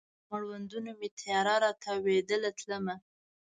تر مړوندونو مې تیاره را تاویدله تلمه